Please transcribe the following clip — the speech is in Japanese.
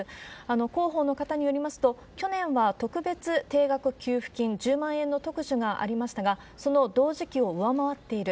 広報の方によりますと、去年は特別定額給付金１０万円の特需がありましたが、その同時期を上回っている。